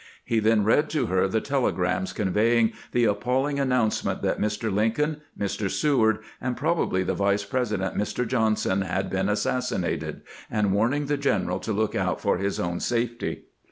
He then read to her the telegrams conveying the appalling announcement that Mr. Lincoln, Mr. Seward, and probably the Vice President, Mr. John son, had been assassinated, and warning the general to look out for his own safety.